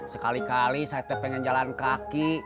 sekali kali saya pengen jalan kaki